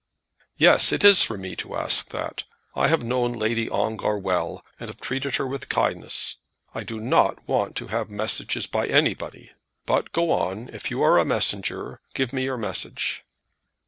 "Yes; it is for me to ask that. I have known Lady Ongar well, and have treated her with kindness. I do not want to have messages by anybody. But go on. If you are a messenger, give your message."